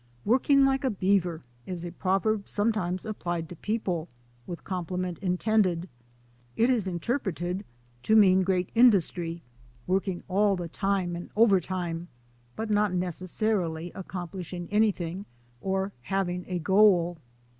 "Working like a beaver" is a proverb sometimes applied to people, with compliment intended. It is interpreted to mean great industry — working 222 THE ADVENTURES OF A NATURE GUIDE all the time and overtime but not necessarily ac complishing anything or having a goal.